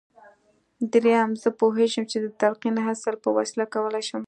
درېيم زه پوهېږم چې د تلقين د اصل په وسيله کولای شم.